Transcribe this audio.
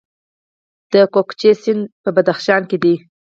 د کوکچې سیند په بدخشان کې دی